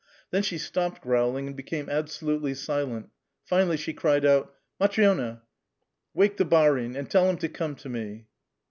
Then she stopped growling and became absolutely silent; finally she cried out :—'' Matri6na ! wake the barin, and tell him to come to me